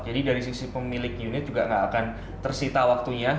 jadi dari sisi pemilik unit juga nggak akan tersita waktunya